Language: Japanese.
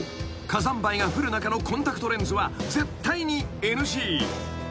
火山灰が降る中のコンタクトレンズは絶対にＮＧ］